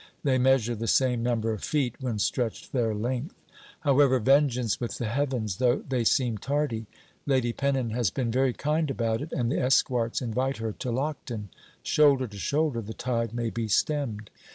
They measure the same number of feet when stretched their length. However, vengeance with the heavens! though they seem tardy. Lady Pennon has been very kind about it; and the Esquarts invite her to Lockton. Shoulder to shoulder, the tide may be stemmed.'